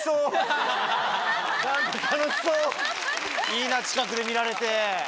いいな近くで見られて。